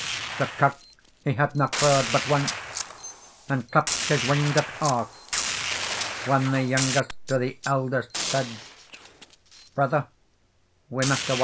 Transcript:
The cock he hadna crawd but once, And clapp'd his wings at a', Whan the youngest to the eldest said, "Brother, we must awa.